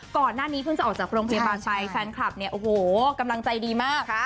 ก่อนหน้านี้เพิ่งจะออกจากโรงพยาบาลไปแฟนคลับเนี่ยโอ้โหกำลังใจดีมาก